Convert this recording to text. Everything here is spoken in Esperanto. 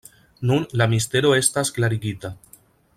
Nun la mistero estas klarigita.